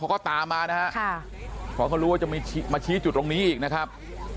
เขาก็ตามมานะฮะค่ะเพราะเขารู้ว่าจะมีมาชี้จุดตรงนี้อีกนะครับ